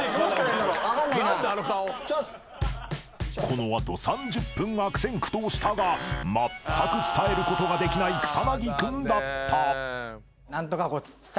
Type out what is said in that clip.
［この後３０分悪戦苦闘したがまったく伝えることができない草薙君だった］